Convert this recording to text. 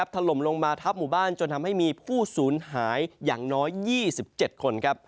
ทัพหมู่บ้านจนทำให้มีผู้สูญหายอย่างน้อย๒๗คน